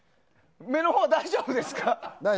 目のほう大丈夫ですか？